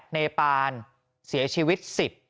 เนปานเสียชีวิต๑๐